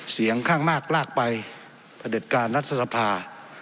เสียงข้างมากลากไปประเด็จการรัฐสภา